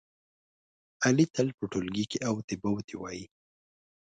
علي تل په ټولگي کې اوتې بوتې وایي.